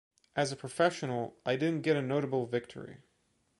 As a professional, I didn’t get a notable victory.